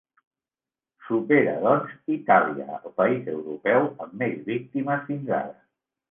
Supera, doncs, Itàlia, el país europeu amb més víctimes fins ara.